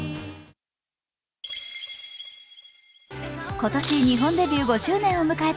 今年、日本デビュー５周年を迎えた